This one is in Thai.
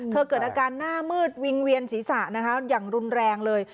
เธอเกิดอาการหน้ามืดวิฟว์เวียนศรีษะอย่างรุนแรงเลย